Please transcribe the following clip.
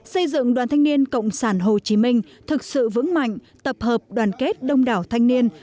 xây dựng đoàn thanh niên cộng sản hồ chí minh thực sự vững mạnh tập hợp đoàn kết đông đảo thanh niên